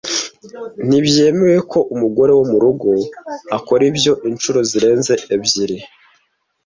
ntibyemewe ko umugore wo murugo akora ibyo inshuro zirenze ebyiri